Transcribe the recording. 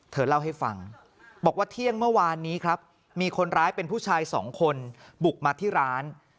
เธอเล่าให้ฟังบอกว่าเที่ยงเมื่อวานนี้ครับมีคนร้ายเป็นผู้ชายสองคนบุกมาที่ร้าน